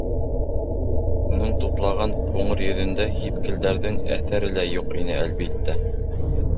Уның тутлаған ҡуңыр йөҙөндә һипкелдәрҙең әҫәре лә юҡ ине, әлбиттә.